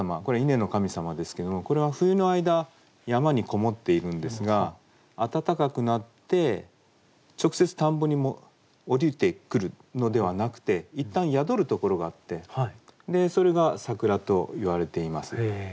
これは稲の神様ですけどもこれは冬の間山に籠もっているんですが暖かくなって直接田んぼに降りてくるのではなくていったん宿るところがあってそれが桜といわれています。